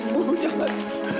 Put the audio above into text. bu bu jangan